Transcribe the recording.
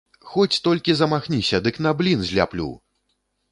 Хоць толькі замахніся, дык на блін зляплю!